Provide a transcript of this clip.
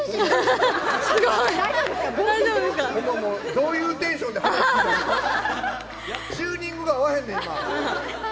どういうテンションでチューニングが合わへんねん。